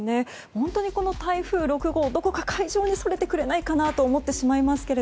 本島に台風６号、どこか海上にそれてくれないかなと思ってしまいますが。